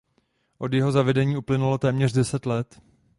Od jeho zavedení uplynulo téměř deset let.